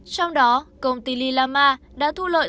trong đó công ty lillama đã thu lợi